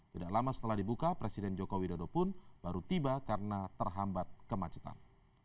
tidak lama setelah dibuka presiden joko widodo pun baru tiba karena terhambat kemacetan